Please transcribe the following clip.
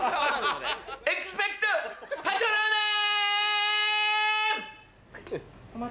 エクスペクト・パトローナム！